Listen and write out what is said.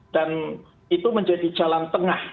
itu menjadi jalan tengah